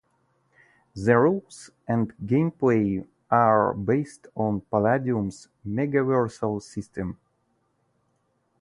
The rules and gameplay are based on Palladium's Megaversal system.